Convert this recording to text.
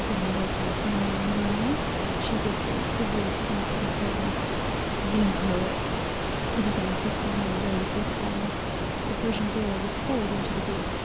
"Been looking for me, honey?" she whispered, her voice deep and throaty. "You know it!" He began whisking her away toward the palms. The Persian girl was pulled into the booth.